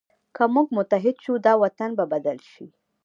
که موږ متحد شو، دا وطن به بدل شي.